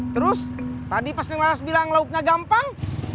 terus tadi pas neng laras bilang lauknya gampang